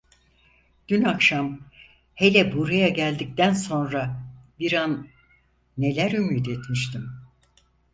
Dün akşam, hele buraya geldikten sonra, bir an neler ümit etmiştim…